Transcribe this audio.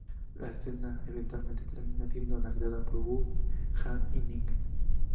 La escena eventualmente termina siendo analizada por Wu, Hank y Nick.